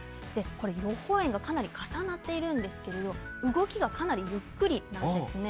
予報円がかなり重なっているんですけれど動きがかなりゆっくりなんですね。